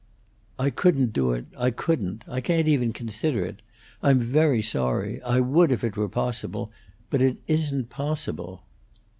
"I couldn't do it I couldn't. I can't even consider it. I'm very sorry. I would, if it were possible. But it isn't possible."